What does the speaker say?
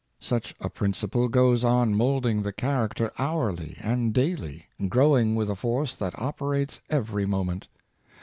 Such a principle goes on moulding the character hourly and daily, growl ing w^ith a force that operates every moment.